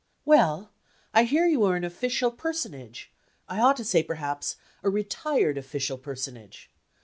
"Well, I hear you are an official personage I ought to say, perhaps, a retired official personage.